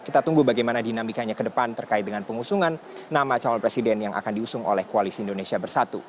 kita tunggu bagaimana dinamikanya ke depan terkait dengan pengusungan nama calon presiden yang akan diusung oleh koalisi indonesia bersatu